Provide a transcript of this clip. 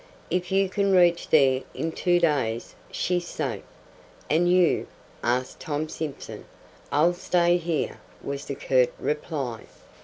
"If you can reach there in two days she's safe." "And you?" asked Tom Simson. "I'll stay here," was the curt reply.